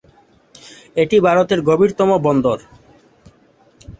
এটি ভারতের "গভীরতম বন্দর"।